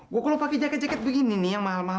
gue kalau pakai jaket jaket begini nih yang mahal mahal